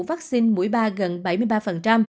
vắc xin mũi ba gần bảy mươi ba